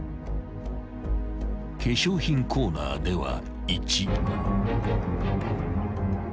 ［化粧品コーナーでは］